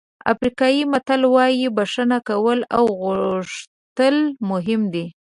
افریقایي متل وایي بښنه کول او غوښتل مهم دي.